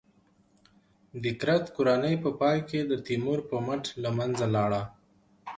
د کرت کورنۍ په پای کې د تیمور په مټ له منځه لاړه.